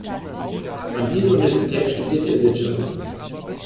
An dieser Universität studierte er Wirtschaft.